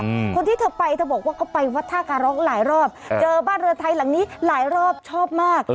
อืมคนที่เธอไปเธอบอกว่าก็ไปวัดท่าการร้องหลายรอบเจอบ้านเรือไทยหลังนี้หลายรอบชอบมาก